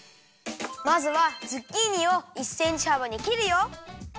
まずはズッキーニを１センチはばにきるよ。